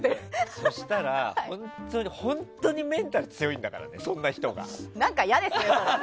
そうしたら本当にメンタル強いんだから、そんな人。